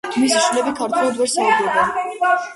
მისი შვილები ქართულად ვერ საუბრობენ.